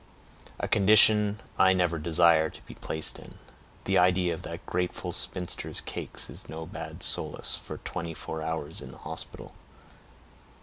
"A condition I never desire to be placed in. The idea of that graceful spinster's cakes is no bad solace for twenty four hours in the hospital."